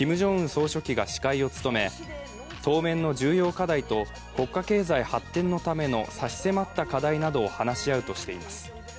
総書記が司会を務め、当面の重要課題と国家経済発展のための差し迫った課題などを話し合うとしています。